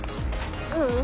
ううん。